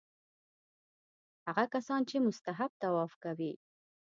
هغه کسان چې مستحب طواف کوي.